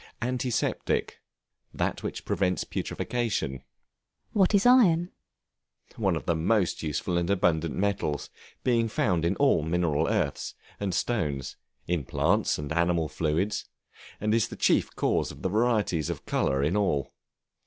Antiseptic, that which prevents putrefaction. What is Iron? One of the most useful and abundant metals; being found in all mineral earths, and stones; in plants, and animal fluids; and is the chief cause of the varieties of color in all.